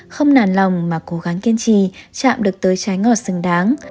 không nản lòng mà cố gắng kiên trì chạm được tới trái ngọt xứng đáng